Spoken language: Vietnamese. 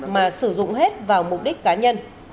mà sử dụng hết vào mục đích cá nhân